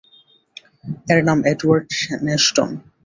এর নাম Edward Nashton.